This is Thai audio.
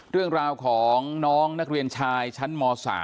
เรื่องราวของน้องนักเรียนชายชั้นม๓